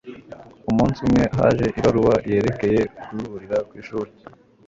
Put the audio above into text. umunsi umwe, haje ibaruwa yerekeye guhurira kwishuri